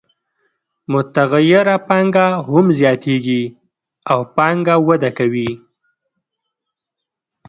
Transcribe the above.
متغیره پانګه هم زیاتېږي او پانګه وده کوي